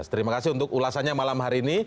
terima kasih untuk ulasannya malam hari ini